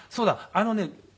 あのね